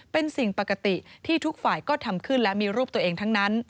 เป็นสิ่งปกติที่ทุกฝ่ายก็ทำขึ้นและมีรูปตัวเองทั้งนั้น